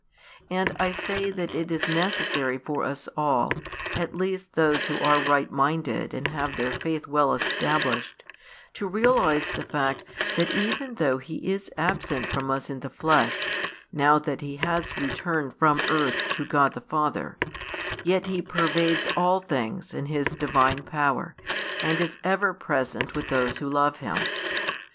And I say that it is necessary for us all, at least those who are right minded and have their faith well established, to realise the fact that even though He is absent from us in the flesh, now that He has returned from earth to God the Father, yet He pervades all things in His Divine power, and is ever present with those who love Him.